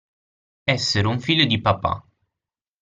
Essere un figlio di papa.